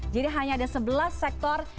jadi hanya ada sebelas sektor